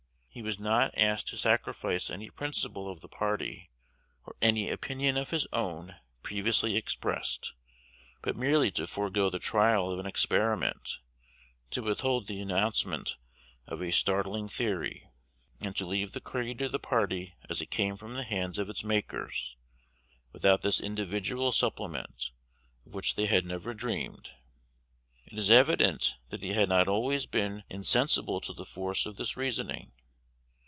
He was not asked to sacrifice any principle of the party, or any opinion of his own previously expressed, but merely to forego the trial of an experiment, to withhold the announcement of a startling theory, and to leave the creed of the party as it came from the hands of its makers, without this individual supplement, of which they had never dreamed. It is evident that he had not always been insensible to the force of this reasoning.